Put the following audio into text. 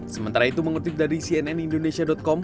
sementara itu mengutip dari cnnindonesia com